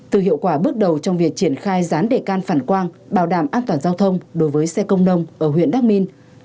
từ hiệu quả bước đầu trong việc triển khai rán đề can phản quang bảo đảm an toàn giao thông đối với xe công nông ở huyện đắc minh